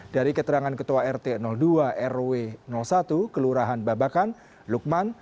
dari keterangan ketua rt dua rw satu kelurahan babakan lukman